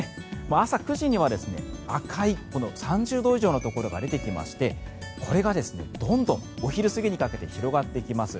朝９時には赤い、３０度以上のところが出てきましてこれがどんどんお昼過ぎにかけて広がってきます。